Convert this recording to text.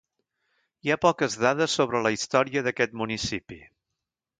Hi ha poques dades sobre la història d'aquest municipi.